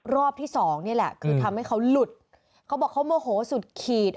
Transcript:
รอบที่สองนี่แหละคือทำให้เขาหลุดเขาบอกเขาโมโหสุดขีด